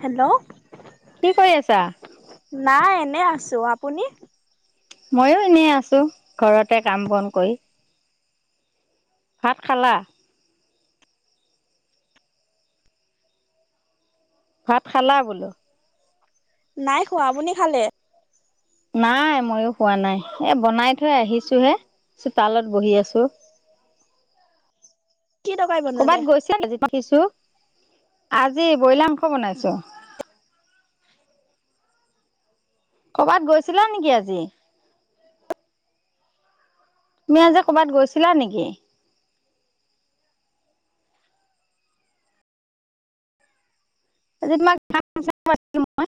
Hello, কি কৰি আছা? নাই এন নে আছোঁ, আপুনি? ময়ো এনেই আছোঁ, ঘৰতে কাম বন কৰি। ভাত খালা? ভাত খালা বোলো? নাই খোৱা, আপুনি খালে? নাই ময়ো খোৱা নাই, এ বনাই থৈ আহিছোহে চোতালত বহি আছোঁ। কি তৰকাৰি বনালে ক'বাত গৈছিল নেকি আজি দেখিছোঁ। আজি ব্ৰ'ইলাৰ মাংস বনাইছো। কৰবাত গৈছিলা নেকি আজি? তুমি আজি কৰ'বাত গৈছিলা নেকি? আজি তোমাক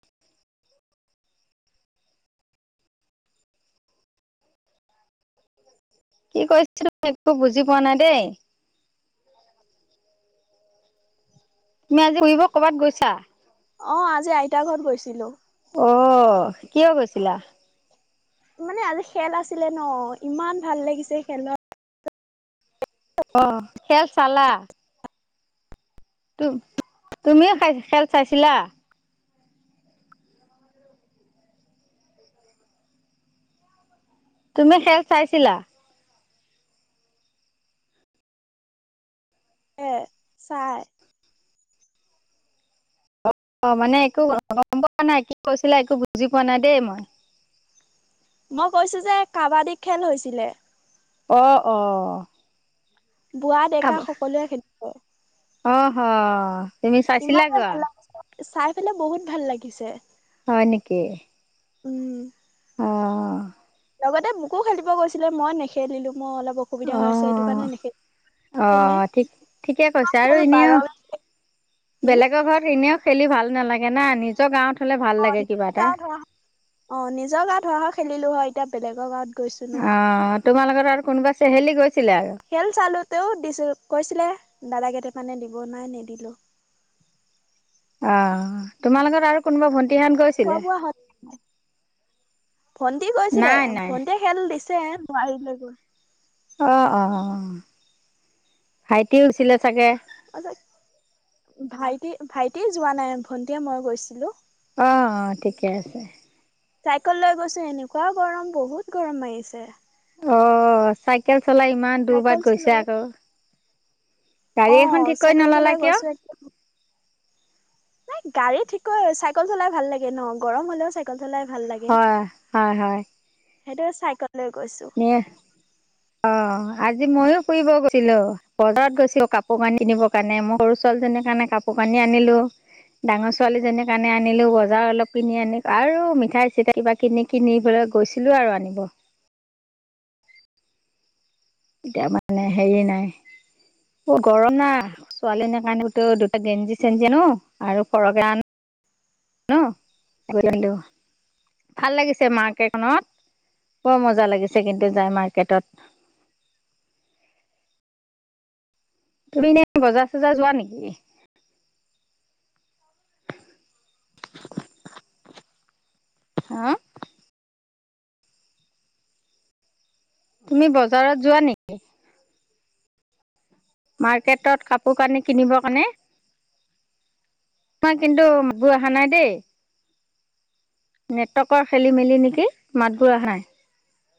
[unintelligible] কি কৈছিলো একো বুজি পোৱা নাই দেই। তুমি আজি ফুৰিব কৰ'বাত গৈছা? অহ', আজি আইতা ঘৰত গৈছিলো। অহ ', কিয় গৈছিলা। মানে আজি খেল আছিলে ন ইমান ভাল লাগিছে খেলত। অহ ', খেল ছালা। তুমি- তুমিও খাই খেল চাইছিলা। তুমি খেল চাইছিলা? পে চাই। অহ ', মানে একো গম পোৱা নাই কি কৈছিলে একো বুজি পোৱা নাই দেই মই। মই কৈছো যে কাবাডী খেল হৈছিলে। অহ ', - অহ ', বুঢ়া ডেকা সকলোৱে খেলিব। হহ ', তুমি চাইছিলা গোৱা। লাগিছে চাই পেলাই বহুত ভাল লাগিছে। হয় নেকি? উম', অহ ', লগতে মোকো খালিব কৈছিলে মই নেখেলিলো। মই অলপ অসুবিধা অ হৈ আছে সেইটো কাৰণে মেখেলী, অ ঠিক ঠিকে কৈছে আৰু [unintelligible] এনে খেল বাৰ এনেও উম', বেলেগৰ ঘৰত এনেও খেলি ভাল নালাগে না নিজৰ গাঁৱত হলে ভাল অহ ', লাগে কিবা নিজৰ এটা। গা ধৰা অ নিজৰ গা ধৰা হ খেলিলো হয়। এতিয়া বেলেগ গাওঁত। গৈছো ন। তোমালোকৰ আৰু কোনোবা চহেলি গৈছে খেল চালো তেও দিছিল কৈছিলে দাদা কেইটাৰ মানে দিব নাই নিদিলো। অহ ', তোমাৰ লগত আৰু কোনোবা ভণ্টি খোৱা বোৱা হয়। ভণ্টি কৈছিলে নাই নাই ভন্টিয়ে খেল দিছে যে নোৱাৰিলে গৈ অহ', - অহ', - অহ', ভাইটি হৈছিলে চাগে। ভাইটি- ভাইটি যোৱা নাই ভন্টিয়ে মই গৈছিলো। অহ ', - অহ ', ঠিকে আছে। চাইকেল লৈ গৈছো এনেকুৱা গৰম বহুত গৰম মাৰিছে। অহ ', চাইকেল চলাই ইমান দূৰ বাত গৈছে আকৌ। গাড়ী এখন অহ ঠিক ', কৰি চাইকেল নললা চলাই কিয়? গৈছো এক নাই গাড়ী ঠিক চাইকেল চলাই ভাল লাগে ন গৰম হলেও চাইকেল--' চলাই ভাল লাগে হয় হয় হয়। সেইটো চাইকেল লৈ গৈছো অ [unintelligible] আজি মইয়ো ফুৰিব গৈছিলো বজাৰত গৈছো কাপোৰ কানি কিনিব কাৰণে মই সৰু ছোৱালীজনীৰ কাৰণে কাপোৰ কানি আনিলো ডাঙৰ ছোৱালীজনীৰ কাৰণে আনিলো বজাৰ অলপ কিনি আনি আৰু মিঠাই চিঠাই কিবা কিনি কিনি পলৈ গৈছিলো আৰু আনিব। এতিয়া মানে হেৰি নাই অ গৰম না ছোৱালী ন কাৰণেতো দুটা গেঞ্জি চেঞ্জি ন আৰু সৰহকে আন ন [unintelligible] ভাল লাগিছে মাৰ্কেটখনত বৰ মজা লাগিছে কিন্তু যাই মাৰ্কেটত। তুমি এনে বজাৰ চজাৰ যোৱা নেকি হা তুমি বজাৰত যোৱা নেকি? মাৰ্কেটত কাপোৰ কানি কিনিব কাৰণে, মই কিন্তু মাতবোৰ অহা নাই দেই নেটৱৰ্কৰ খেলি মেলি নেকি মাতবোৰ অহা নাই।